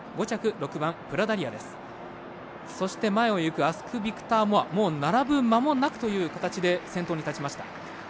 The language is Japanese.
そして前を行くアスクビクターモア並ぶまもなくという感じで先頭に立ちました。